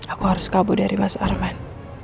aku harus kabur dari mas arman